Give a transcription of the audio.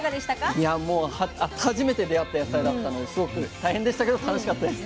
初めて出会った野菜だったのですごく大変でしたけど楽しかったです。